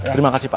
terima kasih pak